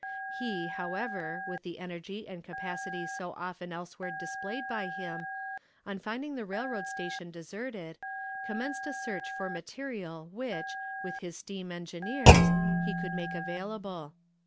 He, however, with the energy and capacity so often elsewhere displayed by him, on finding the railroad station deserted, commenced a search for material which, with his steam engineers, he could make available.